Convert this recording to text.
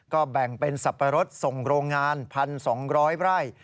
ก็แบ่งเป็นสับปะรดส่งโรงงาน๑๒๐๐ไร่